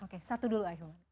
oke satu dulu ayuhan